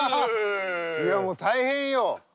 いやもう大変よ。